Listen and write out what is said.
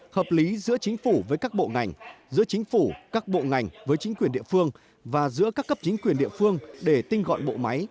hợp lý giữa chính phủ với các bộ ngành giữa chính phủ các bộ ngành với chính quyền địa phương và giữa các cấp chính quyền địa phương để tinh gọn bộ máy